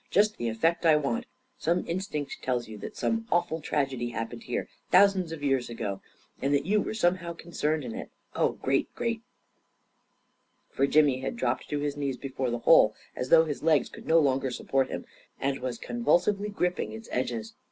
44 Just the effect I want 1 Some instinct tells you that some awful tragedy happened here thousands of years ago — and that you were somehow concerned in it. Oh, great, great I " for Jimmy had dropped to his knees before the hole, as though his legs could no longer support him, and was convulsively gripping its edges.